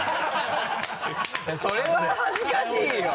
それは恥ずかしいよ！